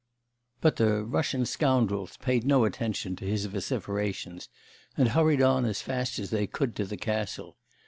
But the 'Russian scoundrels' paid no attention to his vociferations, and hurried on as fast as they could to the castle.